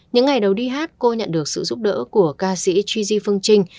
những ngày đầu đi hát cô nhận được sự giúp đỡ của ca sĩ chuji phương trinh